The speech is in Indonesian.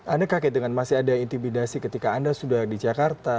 anda kaget dengan masih ada intimidasi ketika anda sudah di jakarta